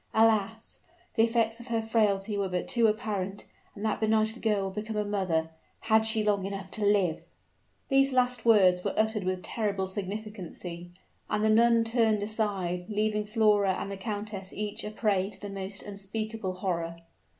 Alas! the effects of her frailty were but too apparent; and that benighted girl would become a mother had she long enough to live!" These last words were uttered with terrible significancy; and the nun turned aside, leaving Flora and the countess each a prey to the most unspeakable horror.